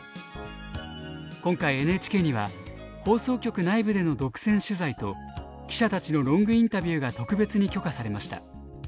今回ＮＨＫには放送局内部での独占取材と記者たちのロングインタビューが特別に許可されました。